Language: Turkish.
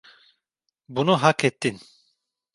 Bunu hak ettin.